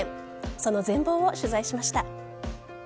その全貌を取材しました。